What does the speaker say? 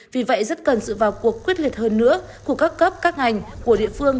vì vậy rất cần sự vào cuộc quyết liệt hơn nữa của các cấp các ngành của địa phương